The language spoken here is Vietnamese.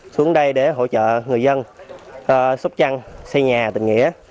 xuống đây để hỗ trợ người dân sóc trăng xây nhà tình nghĩa